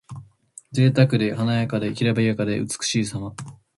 ぜいたくで華やかで、きらびやかで美しいさま。